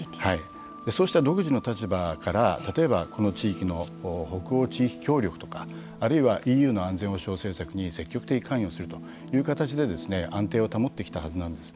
そうした独自の立場から例えば、この地域の北欧地域協力とかあるいはＥＵの安全保障政策に積極的に関与するという形で安定を保ってきたはずなんです。